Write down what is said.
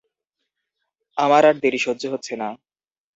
আমার আর দেরী সহ্য হচ্ছে না।